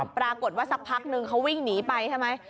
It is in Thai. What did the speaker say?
ปรากฏว่าสักพักนึงเขาวิ่งหนีไปใช่ไหม